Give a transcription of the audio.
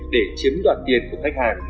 để chiếm đoạt tiền của khách hàng